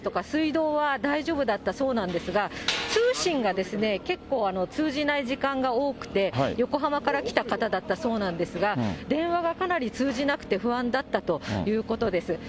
水道は大丈夫だったそうなんですが、通信が結構通じない時間が多くて、横浜から来た方だったそうなんですが、電話がかなり通じなくて不安だったということです。